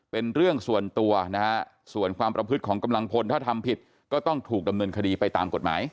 เป็นเรื่องส่วนตัวนะฮะส่วนความประพฤติของกำลังพลถ้าทำผิดก็ต้องถูกดำเนินคดีไปตามกฎหมาย